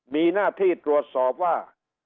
มีหน้าที่ตรวจสอบว่า